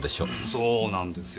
そうなんですよ